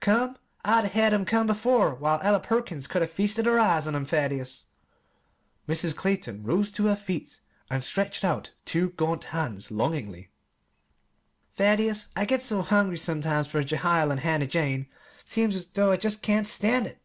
"Come! I'd 'a' had 'em come before, while Ella Perkins could 'a' feasted her eyes on 'em. Thaddeus," Mrs. Clayton rose to her feet and stretched out two gaunt hands longingly, "Thaddeus, I get so hungry sometimes for Jehiel and Hannah Jane, seems as though I jest couldn't stand it!"